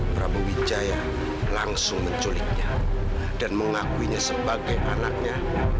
prabu wijaya langsung menculiknya dan mengakuinya sebagai anaknya